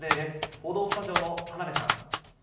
報道スタジオの田辺さん。